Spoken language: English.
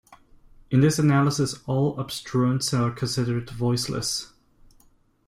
In this analysis, all obstruents are considered voiceless.